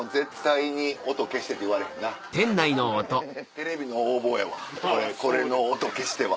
テレビの横暴やわこれの「音消して」は。